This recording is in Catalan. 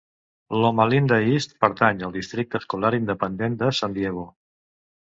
Loma Linda East pertany al districte escolar independent de San Diego.